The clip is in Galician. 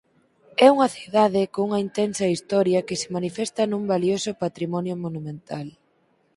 É unha cidade cunha intensa historia que se manifesta nun valioso patrimonio monumental.